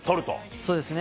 そうですね。